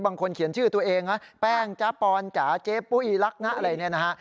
เขียนชื่อตัวเองนะแป้งจ๊ะปอนจ๋าเจ๊ปุ้ยรักนะอะไรเนี่ยนะฮะ